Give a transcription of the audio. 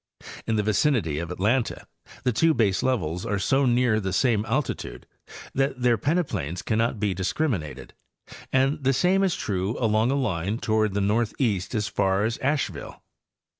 In the vicinity of Atlanta the two baselevels are so near the same altitude that thejr peneplains cannot be discriminated, and the same is true along a line toward the northeast as far as Asheville.